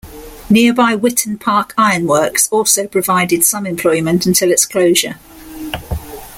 Nearby Witton Park Ironworks also provided some employment until its closure.